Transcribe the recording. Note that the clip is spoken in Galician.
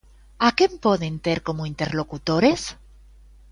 A quen poden ter como interlocutores?